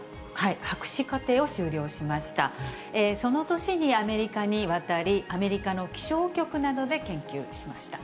その年にアメリカに渡り、アメリカの気象局などで研究しました。